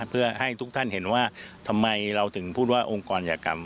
เพื่อให้ทุกท่านเห็นว่าทำไมเราถึงพูดว่าองค์กรยากรรม